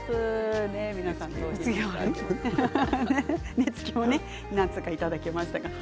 寝つきについても何通かいただきました。